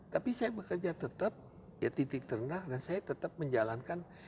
tapi saya bekerja tetap ya titik terendah dan saya tetap menjalankan